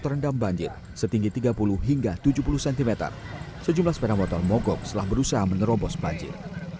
terendam banjir setinggi tiga puluh hingga tujuh puluh cm sejumlah sepeda motor mogok setelah berusaha menerobos banjir